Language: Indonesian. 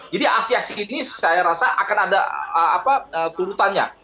jadi aksi aksi ini saya rasa akan ada turutannya